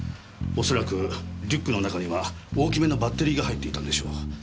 おそらくリュックの中には大きめなバッテリーが入っていたんでしょう。